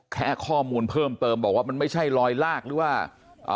แค่ข้อมูลเพิ่มเติมบอกว่ามันไม่ใช่ลอยลากหรือว่าอ่า